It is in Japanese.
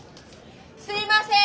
すみません！